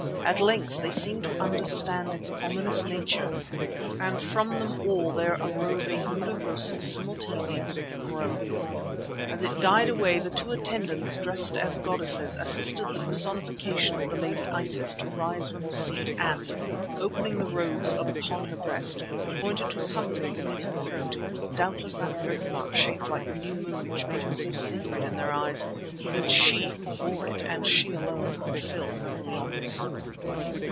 At length they seemed to understand its ominous nature and from them all there arose a universal, simultaneous groan. As it died away the two attendants dressed as goddesses assisted the personification of the Lady Isis to rise from her seat and, opening the robes upon her breast, pointed to something beneath her throat, doubtless that birthmark shaped like the new moon which made her so sacred in their eyes since she who bore it and she alone could fill her holy office.